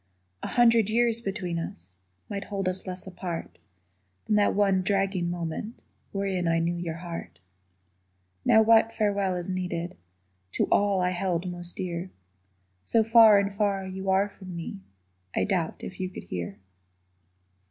A hundred years between us Might hold us less apart Than that one dragging moment Wherein I knew your heart. Now what farewell is needed To all I held most dear, So far and far you are from me I doubt if you could hear.